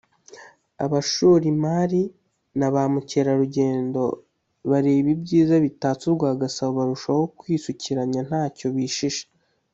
abashora imari na ba mukerarugendo bareba ibyiza bitatse urwa Gasabo barushaho kwisukiranya ntacyo bishisha